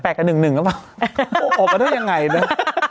แปลกกับ๑๑แล้วเปล่าออกมาด้วยยังไงเนอะ